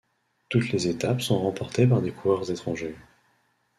Toutes les étapes sont remportées par des coureurs étrangers.